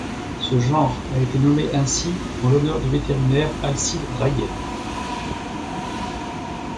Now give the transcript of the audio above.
Ce genre a été nommé ainsi en l'honneur du vétérinaire Alcide Railliet.